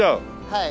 はい。